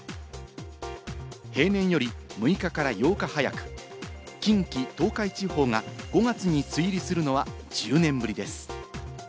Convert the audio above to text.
平年より６日から８日早く、近畿、東海地方が５月に梅雨入りするのは１０年ぶりです。